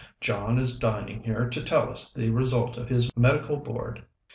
John is dining here to tell us the result of his Medical Board."